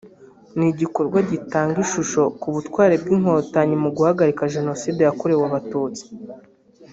ni igikorwa gitanga ishusho ku butwari bw’Inkotanyi mu guhagarika Jenoside yakorewe Abatutsi